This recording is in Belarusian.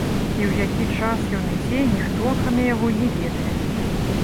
І ў які час ён і дзе, ніхто акрамя яго не ведае.